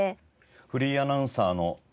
フリーアナウンサーの生きる